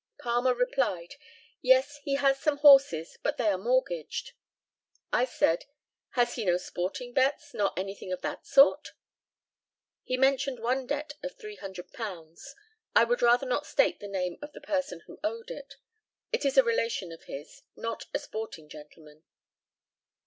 Palmer replied, "Yes, he has some horses, but they are mortgaged." I said, "Has he no sporting bets, nor anything of that sort?" He mentioned one debt of £300. I would rather not state the name of the person who owed it. It is a relation of his, not a sporting gentleman.